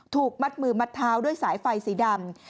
ถูกมัดมือมัดเท้าด้วยสายไฟสีดำ